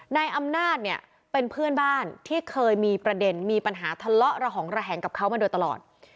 นายอำนาจเนี่ยเป็นเพื่อนบ้านที่เคยมีประเด็นมีปัญหาทะเลาะระหองระแหงกับเขามาโดยตลอด